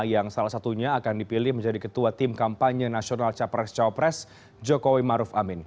yang salah satunya akan dipilih menjadi ketua tim kampanye nasional capres cawapres jokowi maruf amin